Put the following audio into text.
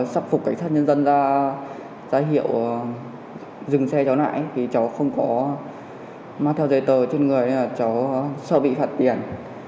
sắp phục cảnh sát nhân dân ra hiệu dừng xe cháu lại cháu không có mang theo giấy tờ trên người cháu sơ bị phạt tiền